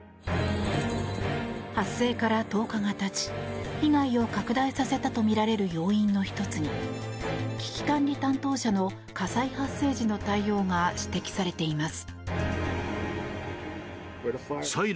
発生から１０日が経ち被害を拡大させたとみられる要因の１つに危機管理担当者の火災発生時の対応が指摘されています。